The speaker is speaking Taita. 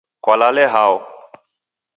Kwalale hao